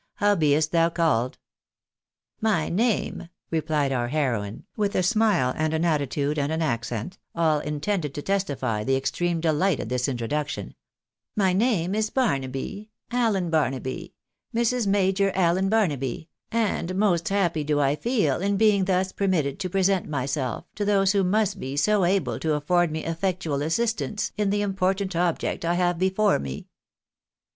" How be'st thou called !"" My name," replied our heroine, with a smile, an attitude, and an accent, all intended to testify the extreme deUght at this intro duction, '• My name is Barnaby, Alien Barnaby, Mrs. Major Allen Barnaby, and most happy do I feel in being thus permitted to present myself to those who must be so able to afford me effectual assistance in the important object I have before me."